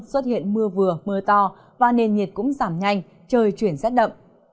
xuất hiện mưa vừa mưa to và nền nhiệt cũng giảm nhanh trời chuyển rét đậm